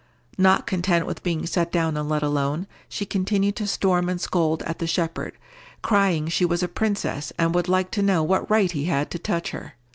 Not content with being set down and let alone, she continued to storm and scold at the shepherd, crying she was a princess, and would like to know what right he had to touch her!